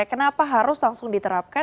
kenapa harus langsung diterapkan